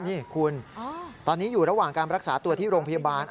นี่คุณตอนนี้อยู่ระหว่างการรักษาตัวที่โรงพยาบาล